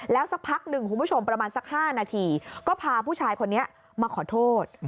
แล้วสักพักหนึ่งคุณผู้ชมประมาณสัก๕นาทีก็พาผู้ชายคนนี้มาขอโทษ